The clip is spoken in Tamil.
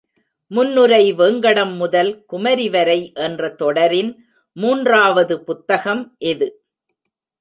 முன்னுரை வேங்கடம் முதல் குமரிவரை என்ற தொடரின் மூன்றாவது புத்தகம் இது.